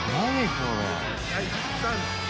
これ。